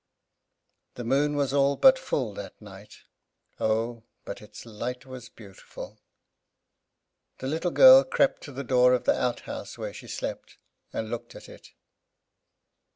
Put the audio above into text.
The moon was all but full that night. Oh, but its light was beautiful! The little girl crept to the door of the outhouse where she slept, and looked at it.